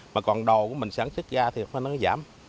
mà còn đồ của mình sản xuất ra thì nó giảm